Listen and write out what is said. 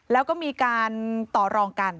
แล้วก็มีการต่อรองกัน